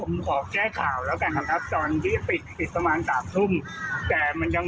ผมขอแก้ข่าวแล้วกันนะครับตอนที่ปิดปิดประมาณสามทุ่มแต่มันยัง